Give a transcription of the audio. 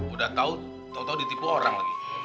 udah tau tau ditipu orang lagi